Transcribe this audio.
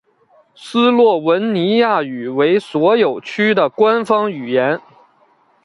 斯洛文尼亚语为所有区的官方语言。